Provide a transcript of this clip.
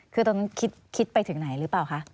คือตอนนั้นคิดไปถึงไหนหรือเปล่าคะ